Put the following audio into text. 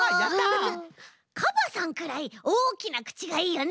カバさんくらいおおきなくちがいいよね。